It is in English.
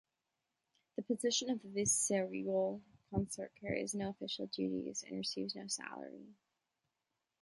The position of the viceregal consort carries no official duties and receives no salary.